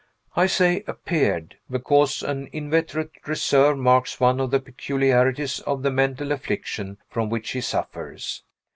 I say "appeared," because an inveterate reserve marks one of the peculiarities of the mental affliction from which he suffers.